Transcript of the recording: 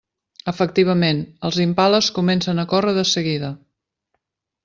Efectivament, els impales comencen a córrer de seguida.